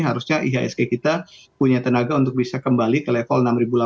harusnya ihsg kita punya tenaga untuk bisa kembali ke level enam ribu delapan ratus enam ribu sembilan ratus